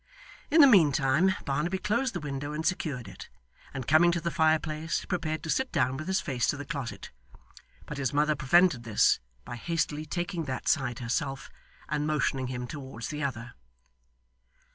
In the meantime, Barnaby closed the window and secured it, and coming to the fireplace, prepared to sit down with his face to the closet. But his mother prevented this, by hastily taking that side herself, and motioning him towards the other.